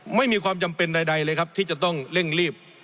ไม่มีความจำเป็นใดเลยครับที่จะต้องเร่งรีบ